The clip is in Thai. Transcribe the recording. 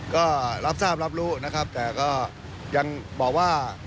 ก็รับทราบรับรู้นะครับแต่ก็ยังบอกว่า